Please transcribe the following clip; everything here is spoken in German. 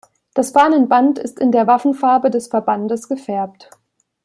Das Fahnenband ist in der Waffenfarbe des Verbandes gefärbt.